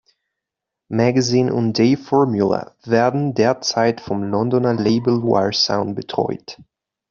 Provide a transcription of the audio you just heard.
Magazine und Dave Formula werden derzeit vom Londoner Label wire-sound betreut.